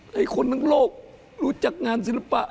ให้คนทั้งโลกรู้จักงานศิลปะ